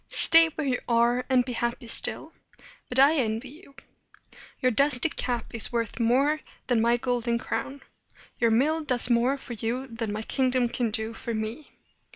"Stay where you are, and be happy still. But I envy you. Your dusty cap is worth more than my golden crown. Your mill does more for you than my kingdom can do for me.